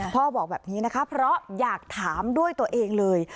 บอกแบบนี้นะคะเพราะอยากถามด้วยตัวเองเลย